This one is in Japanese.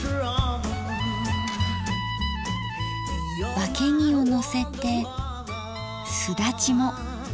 わけぎをのせてすだちも。